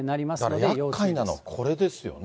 だからやっかいなのはこれですよね。